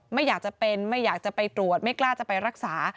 ไม่อยากจะเป็นไม่อยากจะไปตรวจไม่กล้าจะไปรักษา